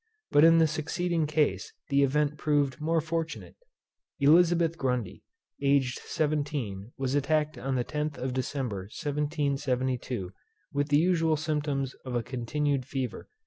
But in the succeeding case the event proved more fortunate. Elizabeth Grundy, aged seventeen, was attacked on the 10th of December 1772, with the usual symptoms of a continued fever.